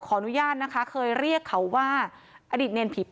อนุญาตนะคะเคยเรียกเขาว่าอดีตเนรผี